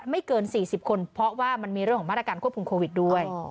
ไม่เกิน๔๐คนเพราะว่ามันมีเรื่องของมาตรการควบคุมโควิดด้วย